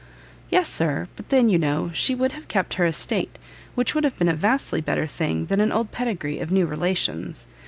"Yes, Sir; but then, you know, she would have kept her estate, which would have been a vastly better thing than an old pedigree of new relations.